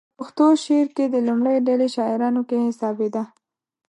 په پښتو شعر کې د لومړۍ ډلې شاعرانو کې حسابېده.